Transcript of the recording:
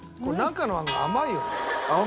これ中の餡が甘いよね。